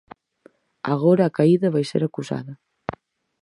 Agora a caída vai ser acusada.